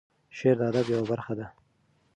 شعر د ادب یوه برخه ده.